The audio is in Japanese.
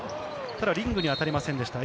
ただリングには当たりませんでした。